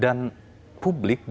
dan publik disuruh